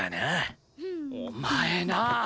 お前なあ！